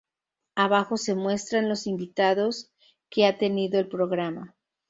Abajo se muestran los invitados que ha tenido el programa.